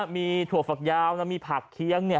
มีถั่วฝักยาวมีผักเคี้ยง